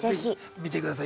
見てください。